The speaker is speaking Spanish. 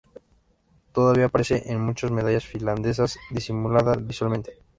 Todavía aparece en muchas medallas finlandesas, disimulada visualmente.